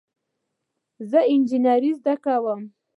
زه انجینری زده کوم